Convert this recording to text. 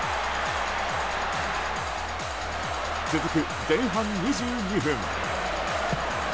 続く前半２２分。